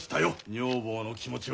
女房の気持ちは。